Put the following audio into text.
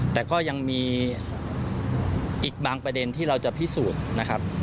แต่ก็ยังมีอีกบางประเด็นที่เราจะพิสูจน์นะครับ